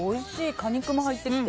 果肉も入ってきて。